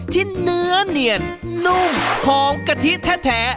ที่เนื้อเนียนนุ่มหอมกะทิแท้